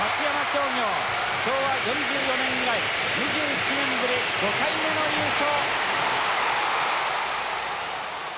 昭和４４年以来２７年ぶり５回目の優勝。